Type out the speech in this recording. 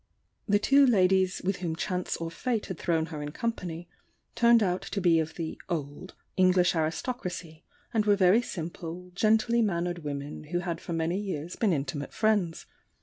The two ladies with whom chance or fate had thrown her in company, turned out to be of the '•old" English aristocracy, and were very simple, gently mannered women who had for many years been intimate friends.